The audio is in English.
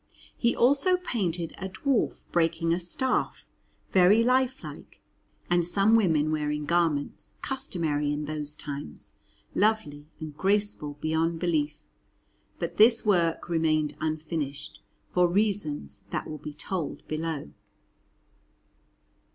He also painted a dwarf breaking a staff, very life like, and some women wearing garments customary in those times, lovely and graceful beyond belief. But this work remained unfinished, for reasons that will be told below.